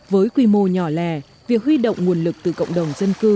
với quy mô nhỏ lè việc huy động nguồn lực từ cộng đồng dân cư